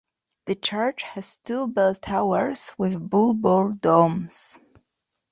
The church has two bell towers with bulbous domes.